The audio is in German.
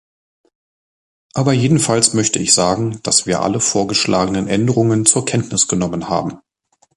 Aber jedenfalls möchte ich sagen, dass wir alle vorgeschlagenen Änderungen zur Kenntnis genommen haben.